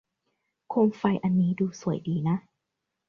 โคมไฟอันนี้ดูสวยดีนะ